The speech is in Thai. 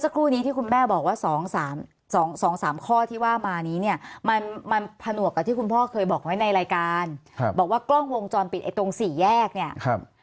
เสียชีวิตจากอุบัติเหตุรถชนตุ้นไม้คอหัก